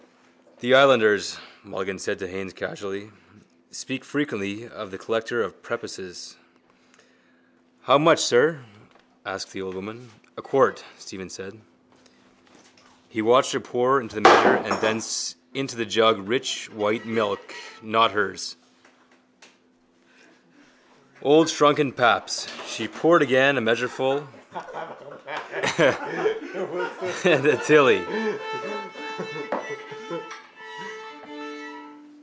—The islanders, Mulligan said to Haines casually, speak frequently of the collector of prepuces. —How much, sir? asked the old woman. —A quart, Stephen said. He watched her pour into the measure and thence into the jug rich white milk, not hers. Old shrunken paps. She poured again a measureful and a tilly.